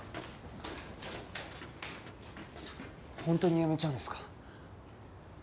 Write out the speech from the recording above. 本当に辞めちゃうんですか？